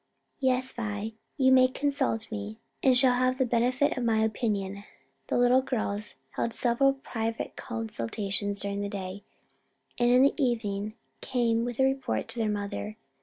"Yes, Vi, you may consult me, and shall have the benefit of my opinion." The little girls held several private consultations during the day, and in the evening came with a report to their mother.